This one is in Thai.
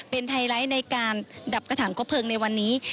เป็นไฮไลท์ในการดับกระถางคบเพลิงในวันนี้